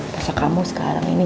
masa kamu sekarang ini